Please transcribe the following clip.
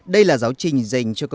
đây là giáo trình dành cho các bạn